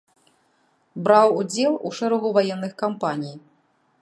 Браў удзел у шэрагу ваенных кампаній.